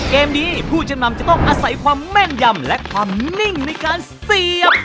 เกมนี้ผู้จำนำจะต้องอาศัยความแม่นยำและความนิ่งในการเสียบ